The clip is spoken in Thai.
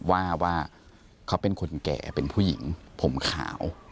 ว่าว่าเขาเป็นคนแก่เป็นผู้หญิงผมขาว